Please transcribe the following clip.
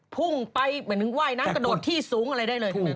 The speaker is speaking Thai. พุ่งไปเหมือนถึงว่ายน้ำกระโดดที่สูงอะไรได้เลย